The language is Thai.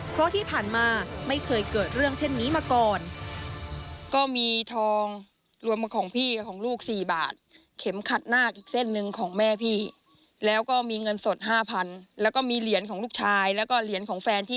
เพราะที่ผ่านมาไม่เคยเกิดเรื่องเช่นนี้มาก่อน